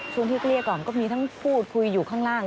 ช่วงที่เกลี้ยกล่อมก็มีทั้งพูดคุยอยู่ข้างล่าง